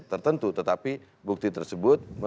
tertentu tetapi bukti tersebut